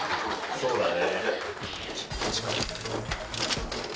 そうだね。